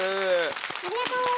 ありがと。